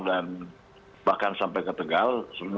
dan bahkan sampai ke tegal